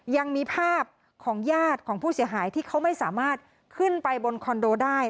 ยังมีภาพของญาติของผู้เสียหายที่เขาไม่สามารถขึ้นไปบนคอนโดได้